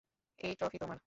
এই ট্রফি তোমার!